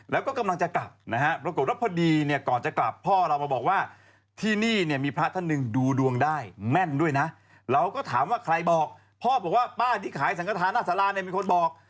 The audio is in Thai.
พ่อบอกว่าป้าที่ขายสงคราธรรณอสาราเนี่ยมีคนบอก